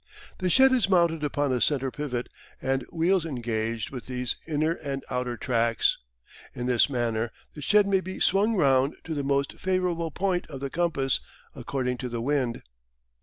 The shed is mounted upon a centre pivot and wheels engaged with these inner and outer tracks. In this manner the shed may be swung round to the most favourable point of the compass according to the wind.